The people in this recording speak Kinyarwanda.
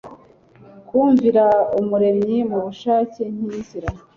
kumvira Umuremyi mu bushake nkinzira